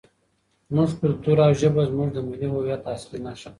زموږ کلتور او ژبه زموږ د ملي هویت اصلي نښې دي.